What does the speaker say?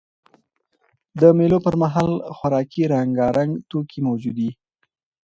د مېلو پر مهال خوراکي رنګارنګ توکي موجود يي.